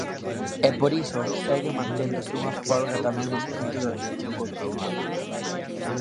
E por iso segue manténdose unha folga tamén nos puntos de atención continuada.